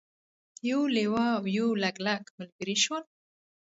یو لیوه او یو لګلګ ملګري شول.